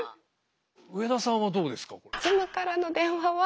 上田さんはどうですか？